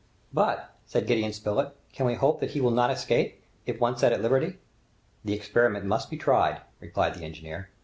"But," said Gideon Spilett, "can we hope that he will not escape, if once set at liberty?" "The experiment must be tried," replied the engineer.